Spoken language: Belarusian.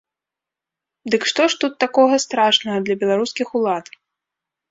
Дык што ж тут такога страшнага для беларускіх улад?